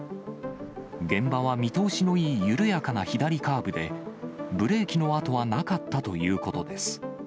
現場は見通しのいい緩やかな左カーブで、ブレーキの跡はなかったということです。